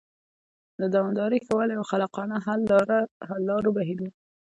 د دوامداره ښه والي او خلاقانه حل لارو بهیرونه